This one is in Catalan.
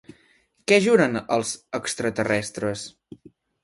Què juren els extraterrestres?